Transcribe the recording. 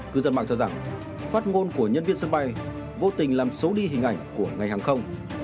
cư dân mạng cho rằng phát ngôn của nhân viên sân bay vô tình làm xấu đi hình ảnh của ngành hàng không